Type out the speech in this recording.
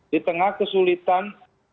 di tengah kesulitan